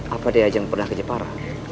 apa diajeng pernah ke jepara